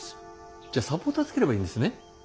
じゃサポーターつければいいんですね？